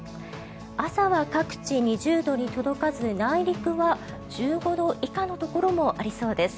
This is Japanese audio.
朝は各地２０度に届かず内陸は１５度以下のところもありそうです。